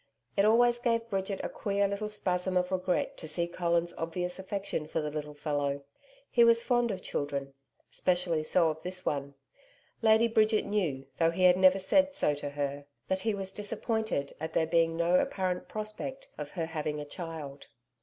It always gave Bridget a queer little spasm of regret to see Colin's obvious affection for the little fellow. He was fond of children, specially so of this one. Lady Bridget knew, though he had never said so to her, that he was disappointed at there being no apparent prospect of her having a child.